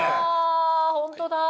本当だ！